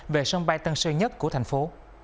về sân bay tăng sơn nhất của thành phố